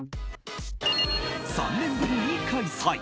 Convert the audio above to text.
３年ぶりに開催